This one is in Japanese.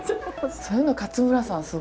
そういうの勝村さん